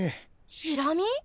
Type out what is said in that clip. シラミ？